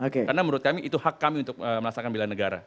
karena menurut kami itu hak kami untuk melaksanakan belanegara